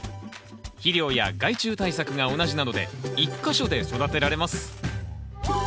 肥料や害虫対策が同じなので１か所で育てられます。